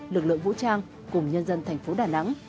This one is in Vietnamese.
lực lượng vũ trang cùng nhân dân thành phố đà nẵng